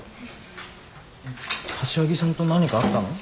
柏木さんと何かあったの？